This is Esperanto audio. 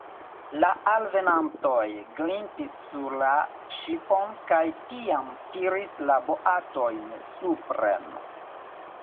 La alvenantoj grimpis sur la ŝipon kaj tiam tiris la boatojn supren.